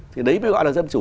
thì đấy mới gọi là dân chủ